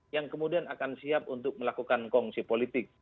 yang kemudian akan siap untuk melakukan kongsi politik